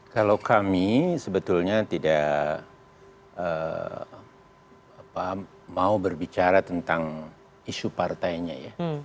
kalau kami sebetulnya tidak mau berbicara tentang isu partainya ya